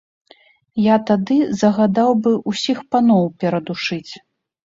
Я тады загадаў бы ўсіх паноў перадушыць.